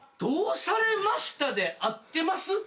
「どうされました？」で合ってます？